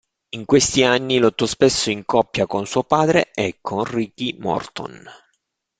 In questi anni lottò spesso in coppia con suo padre e con Ricky Morton.